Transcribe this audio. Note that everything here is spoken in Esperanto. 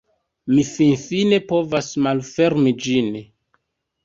Mi finfine povas malfermi ĝin!